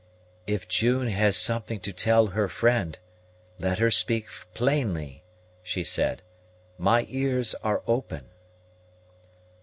"If June has something to tell her friend, let her speak plainly," she said. "My ears are open."